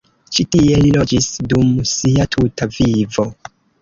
Ĉi tie li loĝis dum sia tuta vivo.